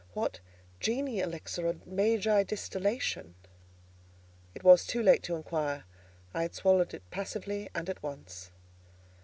what Genii elixir or Magi distillation? It was too late to inquire—I had swallowed it passively, and at once.